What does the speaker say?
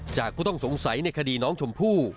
ผู้ต้องสงสัยในคดีน้องชมพู่